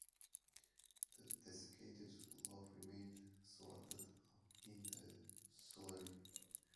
The desiccated loaf remained swathed up in the scullery.